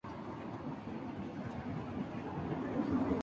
El grupo ha alcanzado una enorme popularidad en Japón.